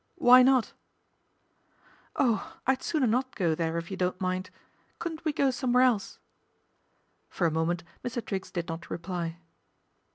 ' Why not ?"" Oh ! I'd sooner not go there if you don't mind. Couldn't we go somewhere else ?" For a moment Mr. Triggs did not reply.